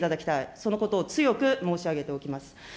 そのことを強く申し上げておきます。